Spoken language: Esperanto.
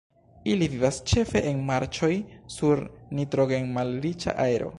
Ili vivas ĉefe en marĉoj, sur nitrogen-malriĉa aero.